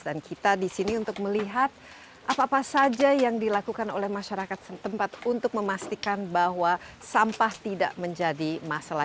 dan kita disini untuk melihat apa apa saja yang dilakukan oleh masyarakat tempat untuk memastikan bahwa sampah tidak menjadi masalah